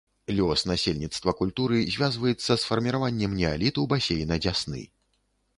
Лёс насельніцтва культуры звязваецца з фарміраваннем неаліту басейна дзясны.